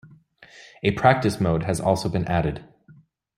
A practice mode has also been added.